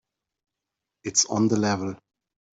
It's on the level.